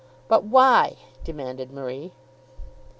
"But why?" demanded Marie.